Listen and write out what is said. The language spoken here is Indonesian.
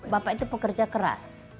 dia tidak mengenal waktu